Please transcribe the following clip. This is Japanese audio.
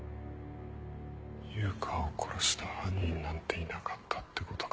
悠香を殺した犯人なんていなかったってことか。